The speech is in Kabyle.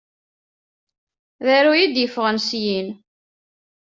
D aruy i d-yeffɣen syin.